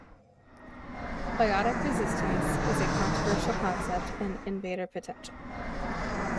Biotic resistance is a controversial concept in invader potential.